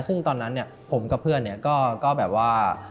ซึ่งตอนนั้นเนี่ยผมกับเพื่อนเนี่ยก็แบบว่า